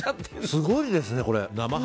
すごいですね、これ！